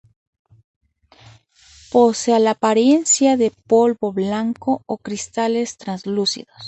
Posee la apariencia de polvo blanco o cristales translúcidos.